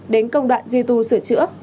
đến công đoạn duy tu sửa chữa